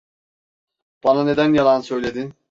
Bana neden yalan söyledin?